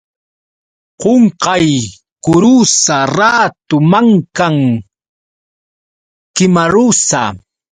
Qunqaykurusa ratu mankan kimarusa.